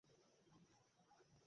না, আমিও বুঝতে পারছি না।